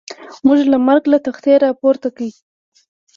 موږ له مرګ له تختې را پورته کړي.